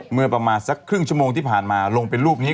เมื่อประมาณสักครึ่งชั่วโมงที่ผ่านมาลงเป็นรูปนี้